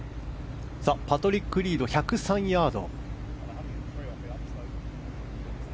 パトリック・リード１０３ヤード。